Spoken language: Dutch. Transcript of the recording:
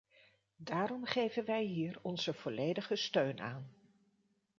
Daarom geven wij hier onze volledige steun aan.